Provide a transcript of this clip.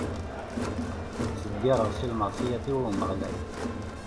Ad d-qqireɣ s lmeɛṣiyat-iw i Umeɣlal.